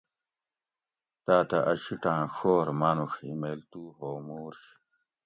تاۤتہ اۤ شِیٹاں ڛور مانوڛ ہِمیل تُو ہو مُورش